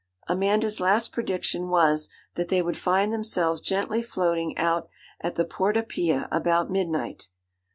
Amanda's last prediction was, that they would find themselves gently floating out at the Porta Pia about midnight.